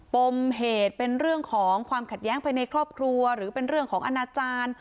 ปมเหตุเป็นเรื่องของความขัดแย้งภายในครอบครัวหรือเป็นเรื่องของอนาจารย์